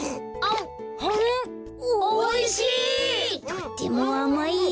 とってもあまいや！